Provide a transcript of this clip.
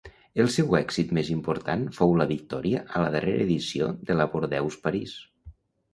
El seu èxit més important fou la victòria a la darrera edició de la Bordeus-París.